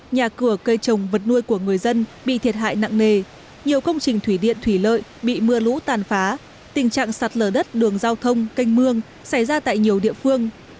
nhà cửa cây trồng vật nuôi của người dân bị thiệt hại nặng nề nhiều công trình thủy điện thủy lợi bị mưa lũ tàn phá tình trạng sạt lở đất đường giao thông canh mương xảy ra tại nhiều địa phương